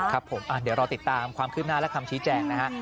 ครับผมเดี๋ยวรอติดตามความคืบหน้าและคำชี้แจงนะฮะ